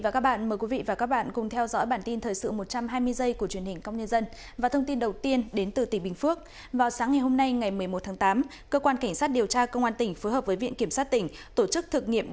các bạn hãy đăng ký kênh để ủng hộ kênh của chúng mình nhé